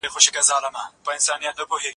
زه به سبا موبایل کاروم.